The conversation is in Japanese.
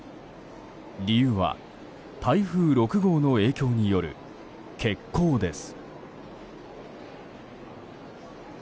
理由は、台風６号の影響による欠航です。